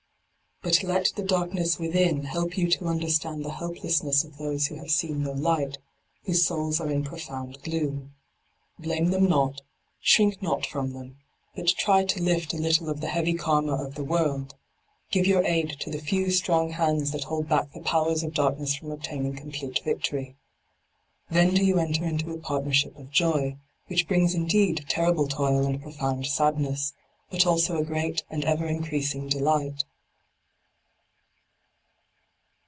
But let the darkness within help you to understand the helplessness of those who have seen no light, whose souls are in profound gloom. Blame them not, shrink not from them, but try to lift a little of the heavy ELarma of the world ; give your aid to the few strong hands that hold back the powers of darkness from obtaining complete victory. Then do you enter into a partnership of joy, which brings indeed terrible toil and profound sadness, but also a great and ever increasing delight.